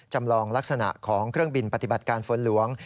จำลองลักษณะของเครื่องบินปฏิบัติการฝนหลวง